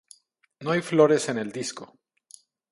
No hay flores en el disco.